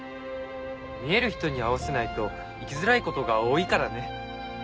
見える人に合わせないと生きづらいことが多いからね。